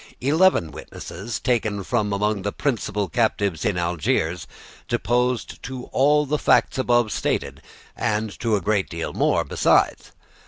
Eleven witnesses taken from among the principal captives in Algiers deposed to all the facts above stated and to a great deal more besides.